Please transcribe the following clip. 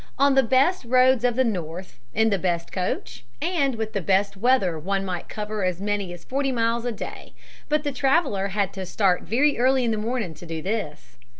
On the best roads of the north, in the best coach, and with the best weather one might cover as many as forty miles a day. But the traveler had to start very early in the morning to do this.